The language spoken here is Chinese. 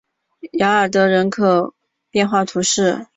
雅尔德尔人口变化图示